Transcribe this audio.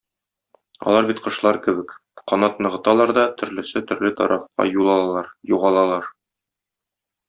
Алар бит кошлар кебек: канат ныгыталар да төрлесе-төрле тарафка юл алалар, югалалар.